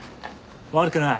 悪くない。